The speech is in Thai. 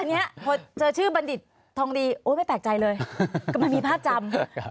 อันนี้เจอชื่อบัณฑิตทองดีไม่แปลกใจเลยก็ไม่มีพลาดจำ